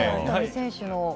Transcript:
大谷選手の。